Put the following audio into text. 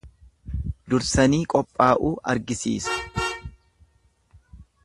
Dursani qophaa'uu argisiisa.